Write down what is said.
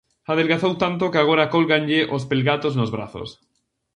Adelgazou tanto que agora cólganlle os pelgatos nos brazos.